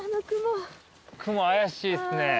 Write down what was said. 雲怪しいっすね。